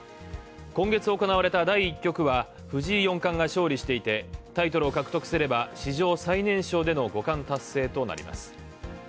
今月行われた第１局は、藤井四冠が勝利していてタイトルを獲得すれば史上最年少での五冠達成となります。